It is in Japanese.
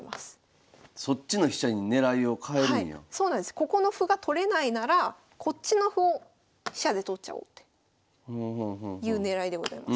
ここの歩が取れないならこっちの歩を飛車で取っちゃおうという狙いでございます。